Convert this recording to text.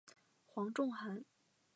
黄仲涵。